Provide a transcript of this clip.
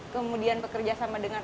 kemudian bekerja sama dengan